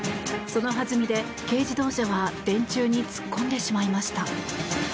その弾みで軽自動車は電柱に突っ込んでしまいました。